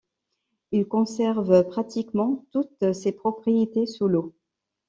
Il conserve pratiquement toutes ses propriétés sous l'eau.